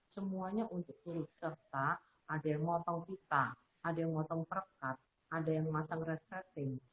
semuanya untuk turut serta ada yang ngotong kuta ada yang ngotong perkat ada yang memasang red setting